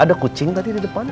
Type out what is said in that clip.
ada kucing tadi di depan